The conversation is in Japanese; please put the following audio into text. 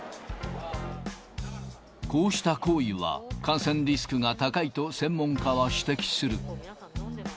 こうした行為は、感染リスクが高いと専門家は指摘する。